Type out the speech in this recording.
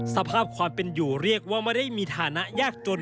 สภาพความเป็นอยู่เรียกว่าไม่ได้มีฐานะยากจน